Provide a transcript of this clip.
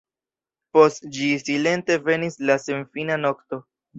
Post ĝi silente venis la senfina nokto.